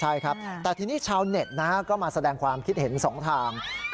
ใช่ครับแต่ทีนี้ชาวเน็ตก็มาแสดงความคิดเห็น๒ทาง